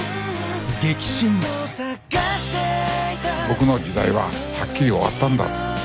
僕の時代ははっきり終わったんだ。